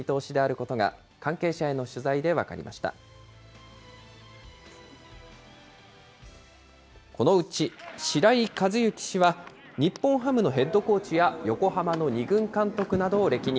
このうち白井一幸氏は、日本ハムのヘッドコーチや横浜の２軍監督などを歴任。